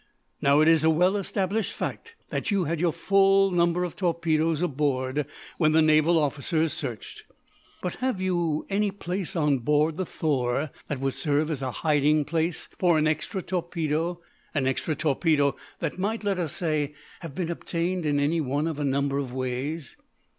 "Now, it is a well established fact that you had your full number of torpedoes aboard, when the naval officers searched. But have you any place on board the 'Thor' that would serve as a hiding place for an extra torpedo an extra torpedo that might, let us say, have been obtained in any one of a number of ways?"